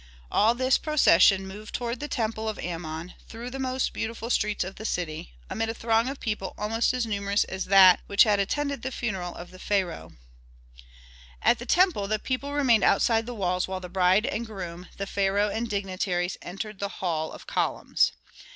All this procession moved toward the temple of Amon, through the most beautiful streets of the city, amid a throng of people almost as numerous as that which had attended the funeral of the pharaoh. [Illustration: Avenue of Sphinxes from the Temple of Karnak to the Nile] At the temple the people remained outside the walls while the bride and groom, the pharaoh and dignitaries, entered the hall of columns.